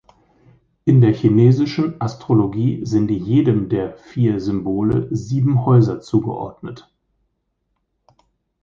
In der chinesischen Astrologie sind jedem der vier Symbole sieben Häuser zugeordnet.